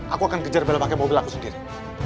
aku akan kejar dalam pakai mobil aku sendiri